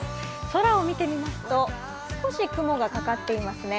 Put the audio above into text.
空を見てみますと少し雲がかかっていますね。